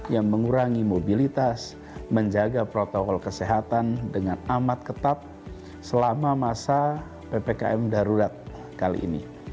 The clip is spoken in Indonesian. yang mengurangi mobilitas menjaga protokol kesehatan dengan amat ketat selama masa ppkm darurat kali ini